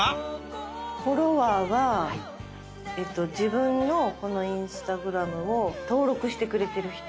フォロワーは自分のこのインスタグラムを登録してくれてる人。